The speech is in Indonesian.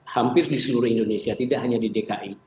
hampir di seluruh indonesia tidak hanya di dki